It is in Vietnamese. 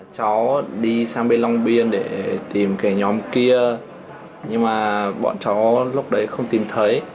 cháu đi sang bên long biên để tìm cái nhóm kia nhưng mà bọn cháu lúc đấy không tìm thấy